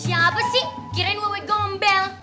siapa sih kirain wewe gombel